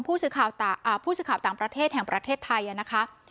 ผู้สืบข่าวอ่าผู้สืบข่าวต่างประเทศแห่งประเทศไทยน่ะค่ะ